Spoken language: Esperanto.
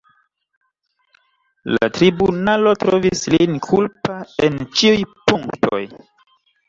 La tribunalo trovis lin kulpa en ĉiuj punktoj.